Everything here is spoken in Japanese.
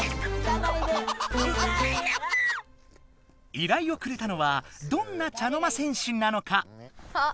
依頼をくれたのはどんな茶の間戦士なのか？